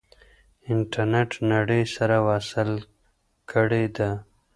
انټرنیټ نړۍ سره وصل کړې ده.